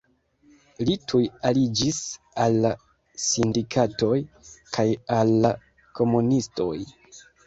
Li tuj aliĝis al la sindikatoj kaj al la komunistoj.